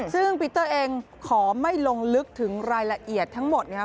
ซึ่งปีเตอร์เองขอไม่ลงลึกถึงรายละเอียดทั้งหมดนะครับ